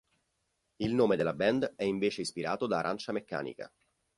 Il nome della band è invece ispirato da "Arancia Meccanica".